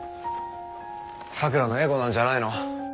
咲良のエゴなんじゃないの？